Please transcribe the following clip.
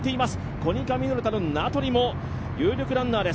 コニカミノルタの名取も有力ランナーです。